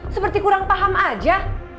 seperti kurang paham aja